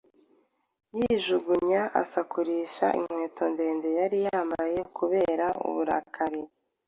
yijugunya", asakurisha inkweto ndende yari yambaye kubera uburakari.